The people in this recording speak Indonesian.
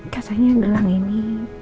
katanya gelang ini